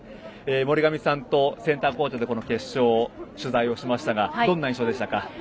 森上さんとセンターコートで決勝取材をしましたがどんな印象でしたか？